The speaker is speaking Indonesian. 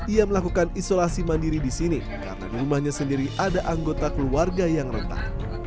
ia melakukan isolasi mandiri di sini karena di rumahnya sendiri ada anggota keluarga yang rentan